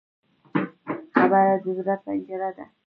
خبره د زړه پنجره ده